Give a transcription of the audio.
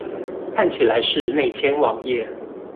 看起來是內嵌網頁